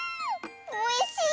おいしい！